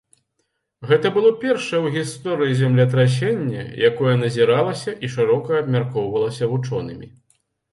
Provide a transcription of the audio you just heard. Гэта было першае ў гісторыі землетрасенне, якое назіралася і шырока абмяркоўвалася вучонымі.